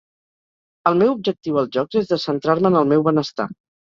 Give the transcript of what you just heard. El meu objectiu als jocs és de centrar-me en el meu benestar.